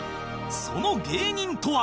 その芸人とは